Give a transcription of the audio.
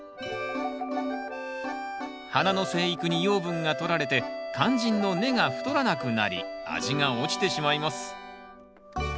花の生育に養分がとられて肝心の根が太らなくなり味が落ちてしまいます。